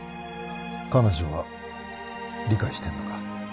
彼女は理解してんのか？